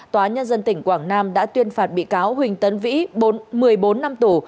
tòa nhân dân tỉnh quảng nam đã tuyên phạt bị cáo huỳnh tấn vĩ một mươi bốn năm tù